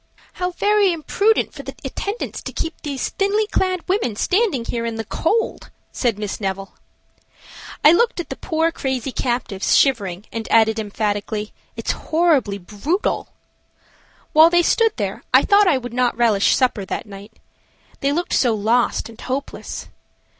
"How very imprudent for the attendants to keep these thinly clad women standing here in the cold," said Miss Neville. I looked at the poor crazy captives shivering, and added, emphatically, "It's horribly brutal." While they stood there I thought I would not relish supper that night. They looked so lost and hopeless.